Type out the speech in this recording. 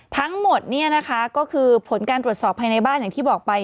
ทั้งหมดก็คือผลการตรวจสอบภายในบ้านอย่างที่บอกไป